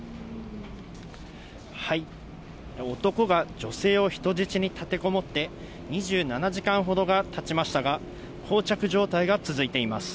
男が女性を人質に立てこもって、２７時間ほどがたちましたが、こう着状態が続いています。